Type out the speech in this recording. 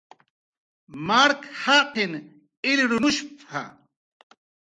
"Mark jaqin ilrunushp""a"